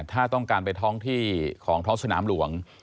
ถ้าต้องการไปท้องที่ของท้องสนามหลวง